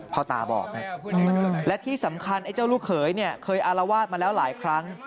พ่อตาบอกและที่สำคัญไอ้เจ้าลูกเขยเนี่ยเคยอารวาสมาแล้วหลายครั้ง